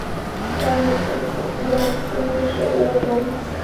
嗜铬细胞分泌的血清素最终从组织中出来进入血液中。